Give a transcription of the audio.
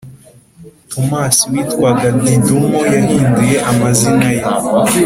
Tomasi witwaga Didumo yahinduye amazina ye